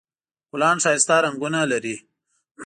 ګلان ښایسته رنګونه لري